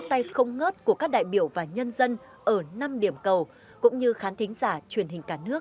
tay không ngớt của các đại biểu và nhân dân ở năm điểm cầu cũng như khán thính giả truyền hình cả nước